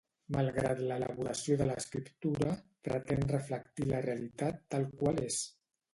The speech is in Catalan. Malgrat l'elaboració de l'escriptura, pretén reflectir la realitat tal qual és.